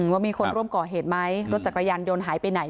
ว่ามีคนร่วมก่อเหตุไหมรถจักรยานยนต์หายไปไหน